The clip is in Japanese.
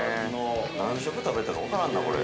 ◆何食食べたか分からんな、これ。